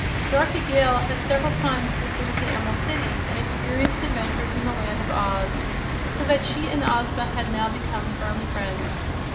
Dorothy Gale had several times visited the Emerald City and experienced adventures in the Land of Oz, so that she and Ozma had now become firm friends.